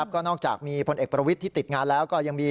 ก็นอกจากมีพลเอกประวิทย์ที่ติดงานแล้วก็ยังมี